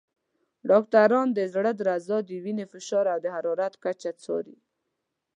ډاکټران د زړه درزا، د وینې فشار، او د حرارت کچه څاري.